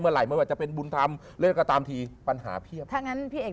เมื่อไหร่มันจะเป็นบุญธรรมแล้วก็ตามทีปัญหาเพียบถ้างั้นพี่เอก